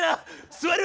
座る！